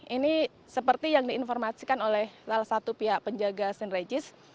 ini seperti yang diinformasikan oleh salah satu pihak penjaga st regis